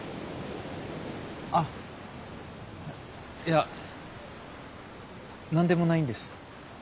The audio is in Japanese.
あいや何でもないんです。